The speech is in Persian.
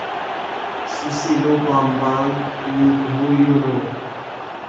سوسیلو بامبانگ یودهویونو